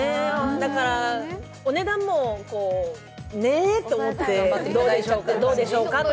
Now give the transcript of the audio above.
だからお値段も、ねって思ってどうでしょうかと。